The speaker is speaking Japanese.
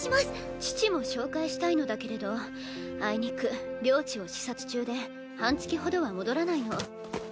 父も紹介したいのだけれどあいにく領地を視察中で半月ほどは戻らないの。